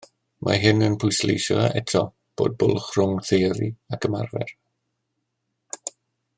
Mae hyn yn pwysleisio eto bod bwlch rhwng theori ac ymarfer.